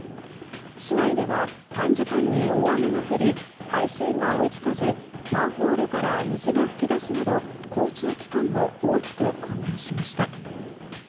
市内では、短時間に大雨が降り排水が追い付かずマンホールから水が噴き出すなど交通機関も大きく混乱しました。